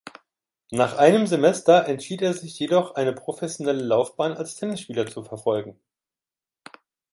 Nach einem Semester entschied er sich jedoch eine professionelle Laufbahn als Tennisspieler zu verfolgen.